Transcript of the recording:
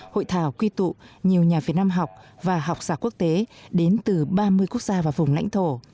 hội thảo quy tụ nhiều nhà việt nam học và học giả quốc tế đến từ ba mươi quốc gia và vùng lãnh thổ